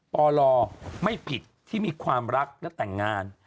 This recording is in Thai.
ปลไม่ผิดที่มีความรักและแต่งงาน